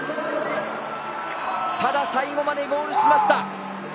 ただ、最後までゴールしました。